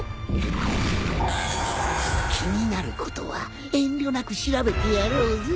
気になることは遠慮なく調べてやろうぜ。